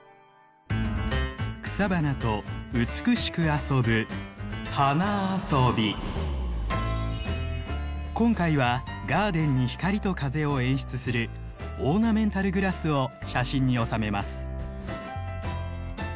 草花と美しく遊ぶ今回はガーデンに光と風を演出するオーナメンタルグラスを写真に収めます。